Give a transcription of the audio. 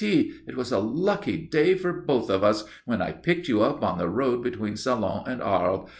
_ It was a lucky day for both of us when I picked you up on the road between Salon and Arles.